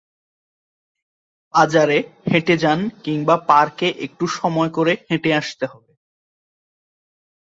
বাজারে হেঁটে যান কিংবা পার্কে একটু সময় করে হেঁটে আসতে হবে।